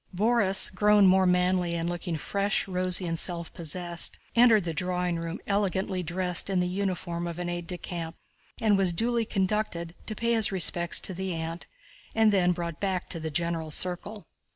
Borís, grown more manly and looking fresh, rosy and self possessed, entered the drawing room elegantly dressed in the uniform of an aide de camp and was duly conducted to pay his respects to the aunt and then brought back to the general circle.